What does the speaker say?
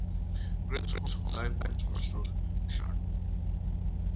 Greg's home life was also shown.